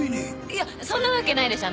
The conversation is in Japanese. いやそんなわけないでしょ！